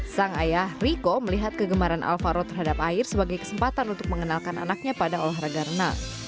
sang ayah riko melihat kegemaran alvaro terhadap air sebagai kesempatan untuk mengenalkan anaknya pada olahraga renang